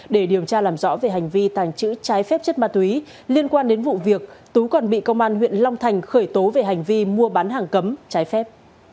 để điều tra làm rõ về hành vi tàng trữ trái phép chất ma túy liên quan đến vụ việc tú còn bị công an huyện long thành khởi tố về hành vi mua bán hàng cấm trái phép